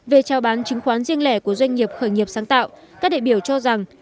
về trao bán chứng khoán riêng lẻ của doanh nghiệp khởi nghiệp sáng tạo các đại biểu cho rằng